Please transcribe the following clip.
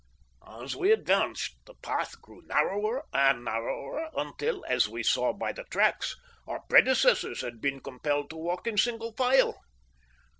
As we advanced, the path grew narrower and narrower until, as we saw by the tracks, our predecessors had been compelled to walk in single file.